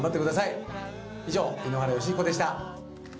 以上井ノ原快彦でした。